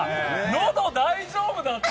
のど、大丈夫だった？